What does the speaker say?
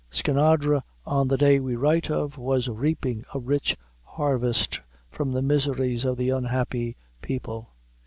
Skinadre on the day we write of, was reaping a rich harvest from the miseries of the unhappy people.